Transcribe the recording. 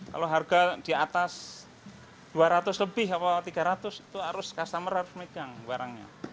kalau harga di atas dua ratus lebih atau tiga ratus itu harus customer harus megang barangnya